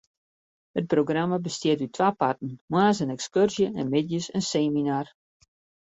It programma bestiet út twa parten: moarns in ekskurzje en middeis in seminar.